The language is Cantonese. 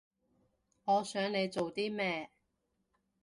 我想你做啲咩